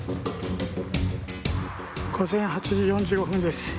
午前８時４５分です。